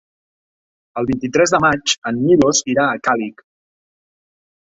El vint-i-tres de maig en Milos irà a Càlig.